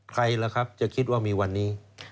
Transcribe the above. ใครล่ะครับจะคิดว่ามีวันนี้